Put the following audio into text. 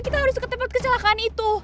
kita harus ke tempat kecelakaan itu